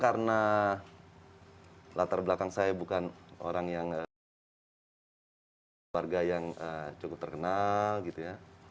karena latar belakang saya bukan orang yang warga yang cukup terkenal gitu ya